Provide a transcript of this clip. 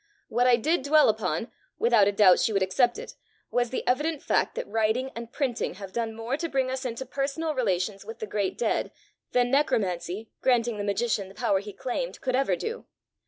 What I did dwell upon, without a doubt she would accept it, was the evident fact that writing and printing have done more to bring us into personal relations with the great dead, than necromancy, granting the magician the power he claimed, could ever do.